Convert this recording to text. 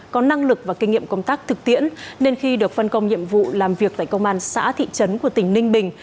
có năng lực và kinh nghiệm công tác thực tiễn nên khi được phân công nhiệm vụ làm việc tại công an xã thị trấn của tỉnh ninh bình